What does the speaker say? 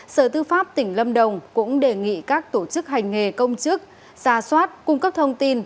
sở tư pháp tỉnh lâm đồng cũng đề nghị các tổ chức hành nghề công chức ra soát cung cấp thông tin